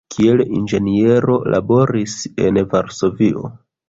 Kiel inĝeniero laboris en Varsovio.